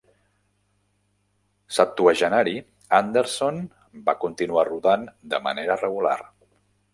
Septuagenari, Anderson va continuar rodant de manera regular.